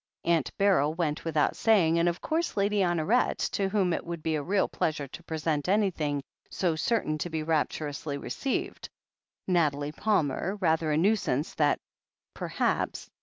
Aunt Beryl went without saying — ^and of course. Lady Honoret, to whom it would be a real pleasure to present anything so certain to be rapturously received — Nathalie Palmer — ^rather a nuisance, that, perhaps?